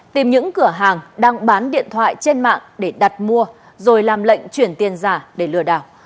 tìm những cửa hàng đang bán điện thoại trên mạng để đặt mua rồi làm lệnh chuyển tiền giả để lừa đảo